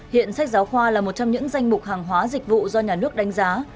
hiện sách giáo khoa là một trong những danh mục hàng hóa dịch vụ do nhà nước đánh giá